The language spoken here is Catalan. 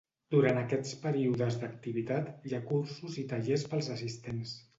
Durant aquests períodes d'activitat, hi ha cursos i tallers pels assistents.